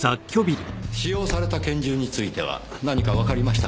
使用された拳銃については何かわかりましたか？